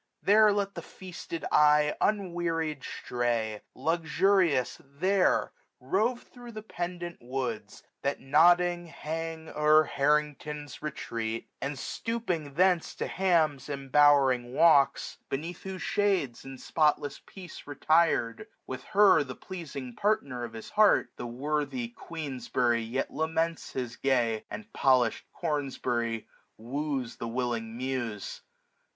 141 5 There let the feasted eye unwearied stray : Luxurious, there, rove thro' the pendant woods That nodding h^ng Q*er Harrington's retreat; And, stooping thence to Ham's embowering walks. SUMMER 103 Beneath whose shades in spotless peace retir'd, 1420 With Her the pleasing partner of his heart. The worthy Queensb'ry yet laments his Gay ; And polish'd Cornbury wooes the willing Muse.